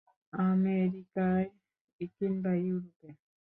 আমেরিকায় কিংবা ইউরোপে।